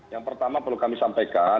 yang pertama perlu kami sampaikan